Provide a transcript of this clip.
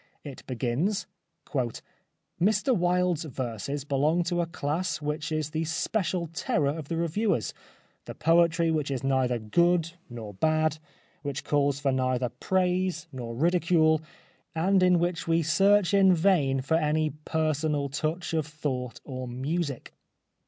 It begins: "Mr Wilde's verses belong to a class which is the special terror of the reviewers, the poetry which is neither good nor bad, which calls for neither praise nor 181 The Life of Oscar Wilde ridicule, and in which we search in vain for any personal touch of thought or music."